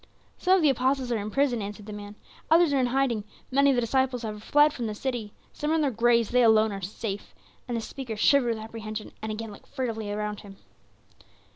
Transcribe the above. "Some of the apostles are in prison," answered the man; "others are in hiding. Many of the disciples are fled from the city. Some are in their graves; they alone are safe," and the speaker shivered with apprehension, and again looked furtively about him.